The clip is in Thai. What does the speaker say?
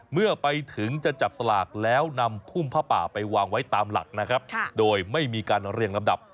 เมื่อไปถึงจะจับสลากแล้วนำพุ่มผ้าป่าไปวางไว้ตามหลักนะครับโดยไม่มีการเรียงลำดับ